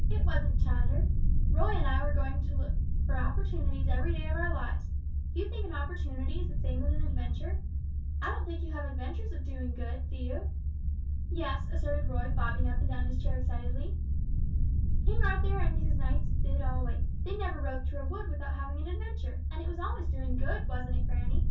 It wasn't chatter. Roy and I are going to look out for opportunities every day of our lives. Do you think an opportunity is the same as an adventure? I don't think you have adventures of doing good, do you?" "Yes," asserted Roy, bobbing up and down in his chair excitedly; "King Arthur and his knights did always. They never rode through a wood without having an adventure, and it was always doing good, wasn't it, granny?"